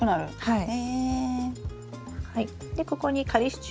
はい。